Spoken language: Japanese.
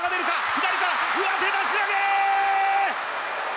左から上手出し投げ！